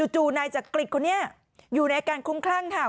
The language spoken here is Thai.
จู่นายจักริตคนนี้อยู่ในอาการคุ้มคลั่งค่ะ